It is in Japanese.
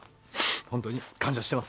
本当に感謝してます。